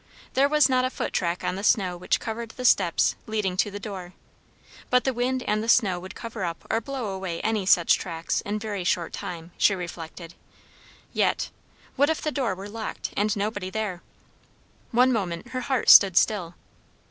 There was not a foot track on the snow which covered the steps leading to the door. But the wind and the snow would cover up or blow away any such tracks in very short time, she reflected; yet, what if the door were locked and nobody there! One moment her heart stood still.